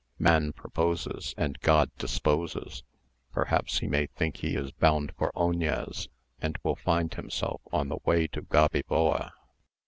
Man proposes and God disposes. Perhaps he may think he is bound for Oñez, and will find himself on the way to Gaviboa."